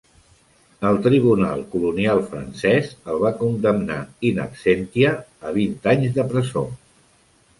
El tribunal colonial francès el va condemnar "in absentia" a vint anys de presó.